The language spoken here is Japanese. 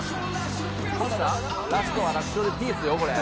「“Ｌａｓｔは楽勝でピース”よこれ」